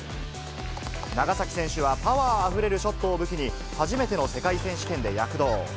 長崎選手はパワーあふれるショットを武器に、初めての世界選手権で躍動。